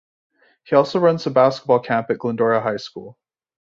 He also runs a basketball camp at Glendora High School.